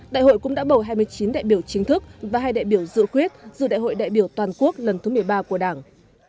đại hội cũng đã bầu hai mươi chín đại biểu chính thức và hai đại biểu dự quyết dự đại hội đại biểu toàn quốc lần thứ một mươi ba của đảng